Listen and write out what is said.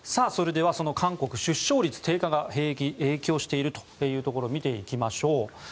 韓国出生率の低下が兵役に影響しているというところを見ていきましょう。